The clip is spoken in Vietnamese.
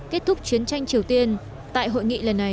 kết thúc chiến tranh triều tiên tại hội nghị lần này